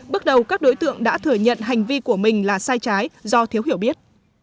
bước đầu các đối tượng đã thừa nhận hành vi của mình là sai trái do thiếu hiểu biết